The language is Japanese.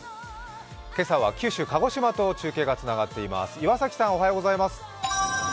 今朝は九州・鹿児島と中継がつながっています。